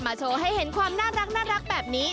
โชว์ให้เห็นความน่ารักแบบนี้